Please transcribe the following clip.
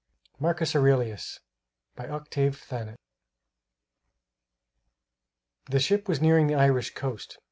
MARCUS AURELIUS By Octave Thanet The ship was nearing the Irish coast.